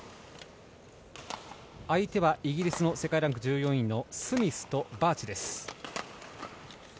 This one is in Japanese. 相手はイギリスの世界ランク１４位のスミスとバーチです。